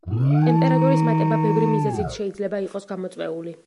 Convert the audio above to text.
ტემპერატურის მატება ბევრი მიზეზით შეიძლება იყოს გამოწვეული.